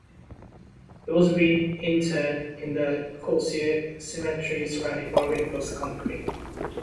It was re-interred in the Corsier cemetery surrounded by reinforced concrete.